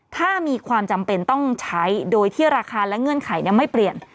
ถ้ามีความจำเป็นต้องใช้โดยที่ราคาและเงื่อนไขไม่เปลี่ยน